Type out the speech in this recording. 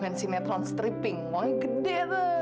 mensi netron stripping uangnya gede